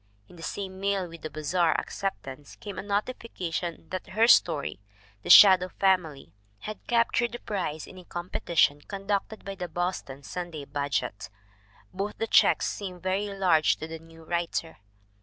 In the same mail with the Bazar acceptance came a notification that her story, The Shadow Family, had captured the prize in a competi tion conducted by the Boston Sunday Budget. Both the checks seemed very large to the new writer.